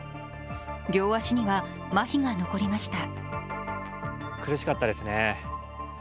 両足には、まひが残りました。